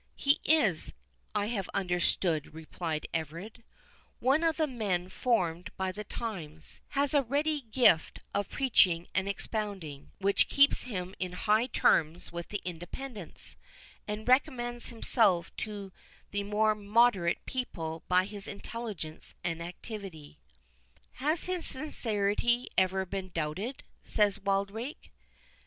"He is, I have understood," replied Everard, "one of the men formed by the times—has a ready gift of preaching and expounding, which keeps him in high terms with the Independents; and recommends himself to the more moderate people by his intelligence and activity." "Has his sincerity ever been doubted?" said Wildrake.